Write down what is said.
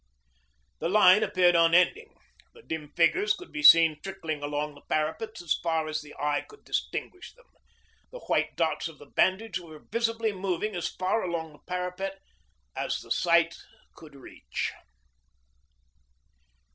The line appeared unending; the dim figures could be seen trickling along the parapets as far as the eye could distinguish them; the white dots of the bandages were visible moving as far along the parapet as the sight could could reach.